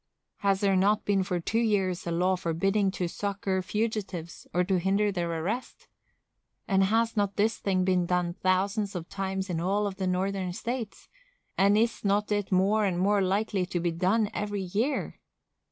Has there not been for two years a law forbidding to succor fugitives, or to hinder their arrest?—and has not this thing been done thousands of times in all the Northern States, and is not it more and more likely to be done every year?